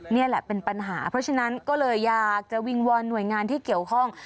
นี่แหละเป็นปัญหาเพราะฉะนั้นก็เลยอยากจะวิงวอนหน่วยงานที่เกี่ยวข้อง